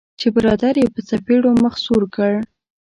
چې برادر یې په څپیړو مخ سور کړ.